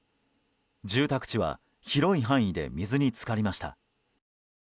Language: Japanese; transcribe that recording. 住宅地は、広い範囲で水に浸かりました。